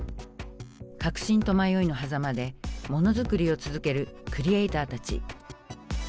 確信と迷いのはざまでものづくりを続けるクリエーターたち。